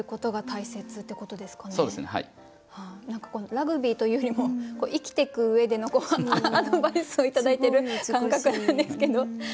ラグビーというよりも生きてく上でのアドバイスを頂いている感覚なんですけど。